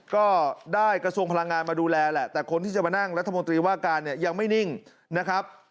กระทรวงพลังงานมาดูแลแหละแต่คนที่จะมานั่งรัฐมนตรีว่าการเนี่ยยังไม่นิ่งนะครับ